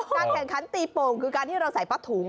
การแข่งขันตีโป่งคือการที่เราใส่ป้าถุง